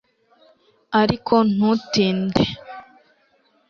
ariko ntutinde